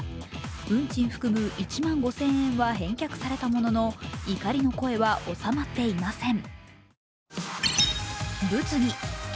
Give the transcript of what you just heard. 運賃含む１万５０００円は返却されたものの怒りの声は収まっていません。